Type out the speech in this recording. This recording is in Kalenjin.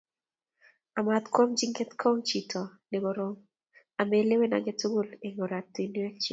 Amat koamjin ng'etkong' chiito ne koroom, amelewen age tugul eng' ortinwekyik.